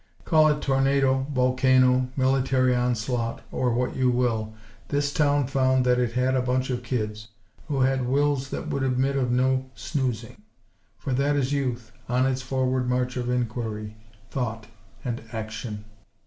Call it tornado, volcano, military onslaught, or what you will, this town found that it had a bunch of kids who had wills that would admit of no snoozing; for that is Youth, on its forward march of inquiry, thought and action.